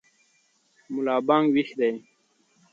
ملا بانګ ویښ دی.